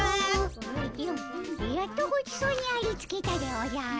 おじゃやっとごちそうにありつけたでおじゃる。